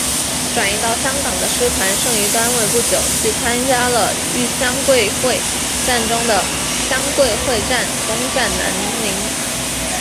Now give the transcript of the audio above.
转移到香港的师团剩余单位不久即参加了豫湘桂会战中的湘桂会战攻占南宁。